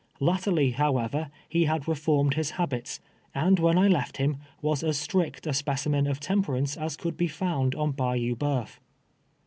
Latterlj , however, he had reformed his habits, and when I left him, was as strict a speci men of temperance as could be found on Bajou Boeuf.